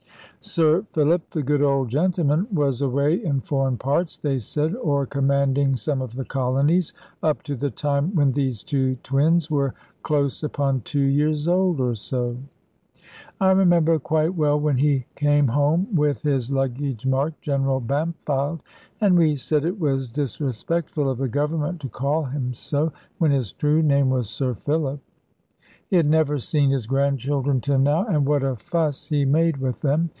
"Sir Philip, the good old gentleman, was away in foreign parts, they said, or commanding some of the colonies, up to the time when these two twins were close upon two years old, or so. I remember quite well when he came home with his luggage marked 'General Bampfylde;' and we said it was disrespectful of the Government to call him so, when his true name was 'Sir Philip.' He had never seen his grandchildren till now, and what a fuss he made with them!